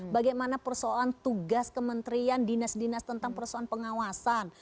bagaimana persoalan tugas kementerian dinas dinas tentang persoalan pengawasan